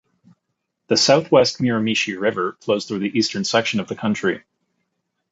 The Southwest Miramichi River flows through the eastern section of the county.